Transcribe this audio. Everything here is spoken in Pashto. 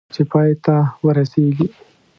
چې پای ته ورسېږي .